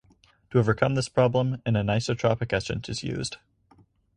To overcome this problem an anisotropic etchant is used.